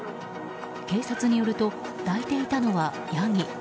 警察によると抱いていたのはヤギ。